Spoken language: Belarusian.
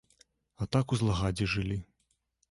А так у злагадзе жылі.